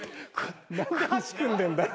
・何で足組んでんだよ。